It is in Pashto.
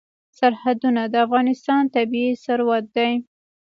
سرحدونه د افغانستان طبعي ثروت دی.